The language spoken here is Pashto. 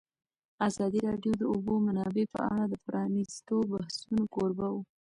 ازادي راډیو د د اوبو منابع په اړه د پرانیستو بحثونو کوربه وه.